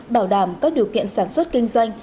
bảo đảm các điều kiện sản xuất kinh doanh